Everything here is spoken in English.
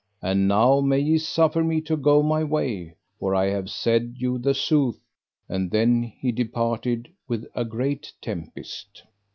And now may ye suffer me to go my way, for I have said you the sooth. And then he departed with a great tempest.